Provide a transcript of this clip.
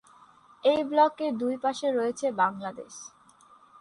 এই ব্লকের দুই পাশে রয়েছে বাংলাদেশ।